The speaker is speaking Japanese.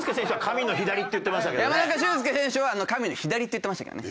山中慎介選手は「神の左」って言ってましたけどね。